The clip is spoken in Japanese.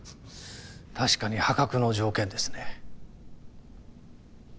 確かに破格の条件ですね。